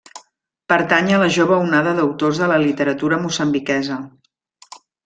Pertany a la jove onada d'autors de la literatura moçambiquesa.